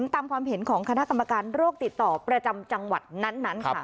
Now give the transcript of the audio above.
ตามความเห็นของคณะกรรมการโรคติดต่อประจำจังหวัดนั้นค่ะ